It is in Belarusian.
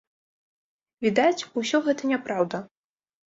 Відаць, усё гэта няпраўда.